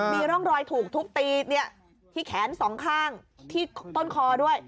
มีร่องรอยถูกทุบตีที่แขนสองข้างที่ต้นคอด้วย